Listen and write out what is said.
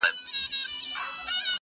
• ستا پر تور تندي لیکلي کرښي وايي -